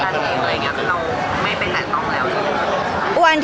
พี่ตอบได้แค่นี้จริงค่ะ